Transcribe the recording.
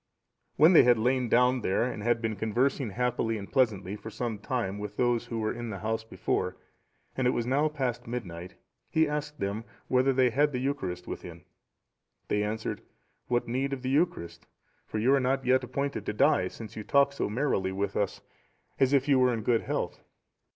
When they had lain down there, and had been conversing happily and pleasantly for some time with those that were in the house before, and it was now past midnight, he asked them, whether they had the Eucharist within?(712) They answered, "What need of the Eucharist? for you are not yet appointed to die, since you talk so merrily with us, as if you were in good health."